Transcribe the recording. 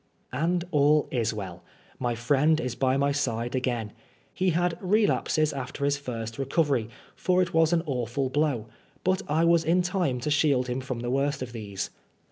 And all is well. My friend is by my side again. He had relapses after his first recovery, for it was an awful blow ; but I was in time to shield him from the worst of these.